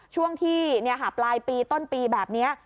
ช่วงที่ปลายปีต้นปีแบบนี้